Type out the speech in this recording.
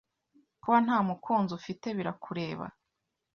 kuba ntamukunzi ufite birakureba